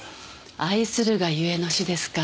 愛するがゆえの死ですか。